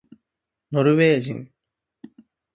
ノルウェー人